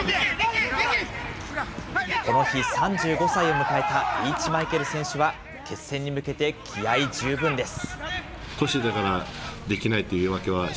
この日、３５歳を迎えたリーチマイケル選手は、決戦に向けて気合い十分です。